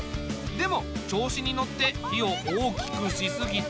でも調子に乗って火を大きくしすぎて。